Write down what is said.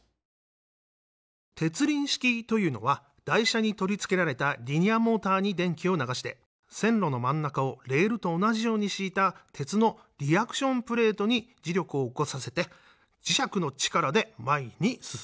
鉄輪式というのは台車に取り付けられたリニアモーターに電気を流して線路の真ん中をレールと同じように敷いた鉄のリアクションプレートに磁力を起こさせて磁石の力で前に進んでいきます。